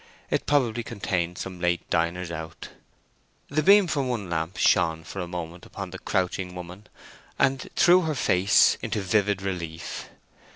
It probably contained some late diners out. The beams from one lamp shone for a moment upon the crouching woman, and threw her face into vivid relief.